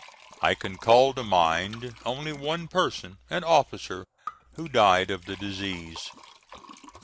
I can call to mind only one person, an officer, who died of the disease.